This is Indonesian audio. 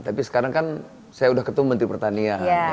tapi sekarang kan saya udah ketemu menteri pertanian